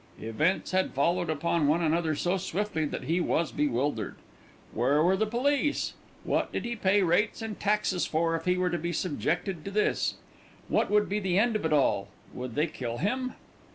Events had followed upon one another so swiftly that he was bewildered. Where were the police? What did he pay rates and taxes for if he were to be subjected to this? What would be the end of it all? Would they kill him?